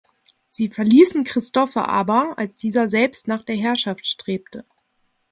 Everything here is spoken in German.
Sie verließen Christophe aber, als dieser selbst nach der Herrschaft strebte.